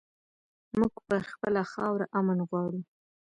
مونږ پر خپله خاوره امن غواړو